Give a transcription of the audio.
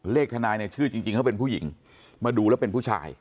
ทนายเนี่ยชื่อจริงเขาเป็นผู้หญิงมาดูแล้วเป็นผู้ชาย